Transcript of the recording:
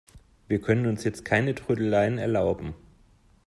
Wir können uns jetzt keine Trödeleien erlauben.